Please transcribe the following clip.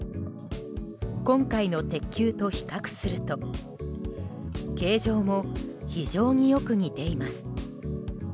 今回の鉄球と比較すると形状も非常によく似ています。